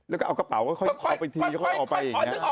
แล้วก็เอากระเป๋าก็ค่อยออกไปอีกทีค่อยนึกออกแล้ว